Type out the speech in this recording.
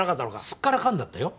すっからかんだったよ